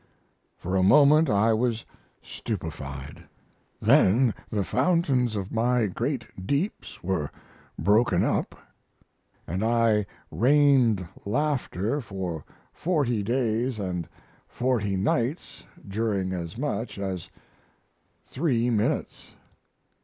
For a moment I was stupefied. Then the fountains of my great deeps were broken up, and I rained laughter for forty days and forty nights during as much as three minutes.